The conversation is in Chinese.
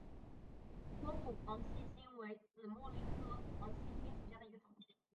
光果黄细心为紫茉莉科黄细心属下的一个种。